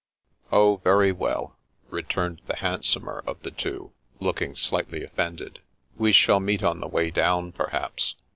" Oh, very well," returned the handsomer of the two, looking slightly offended. " We shall meet on the way down, perhaps.